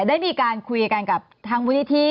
ได้มีการคุยกันกับทางมูลนิธิ